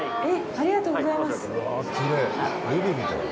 ありがとうございます。